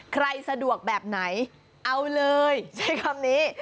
สะดวกแบบไหนเอาเลยใช้คำนี้